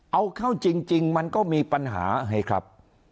เอาเข้าจริงมันก็มีปัญหาให้ครับ